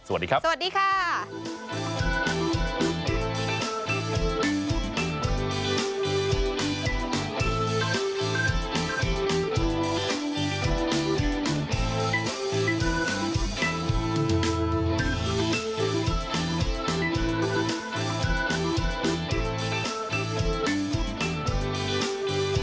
สวัสดีครับ